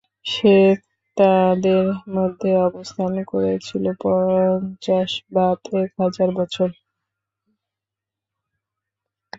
সে তাদের মধ্যে অবস্থান করেছিল পঞ্চাশ বাদ এক হাজার বছর।